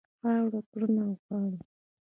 خاوره کرنه غواړي.